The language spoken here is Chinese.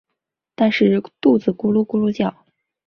但是肚子咕噜咕噜叫